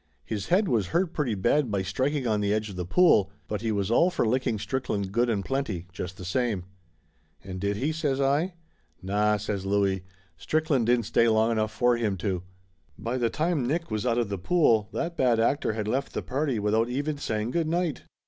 His head was hurt pretty bad by striking on the edge of the pool, but he was all for licking Strickland good and plenty, just the same." "And did he?" says I. "Naw!" says Louie. "Strickland didn't stay long Laughter Limited 295 enough for him to. By the time Nick was out of the pool that bad actor had left the party without even say ing good night."